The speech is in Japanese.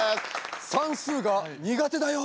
算数が苦手だよ。